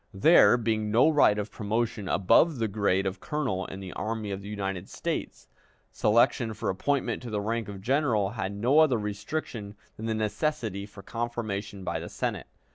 There being no right of promotion above the grade of colonel in the Army of the United States, selection for appointment to the rank of general had no other restriction than the necessity for confirmation by the Senate.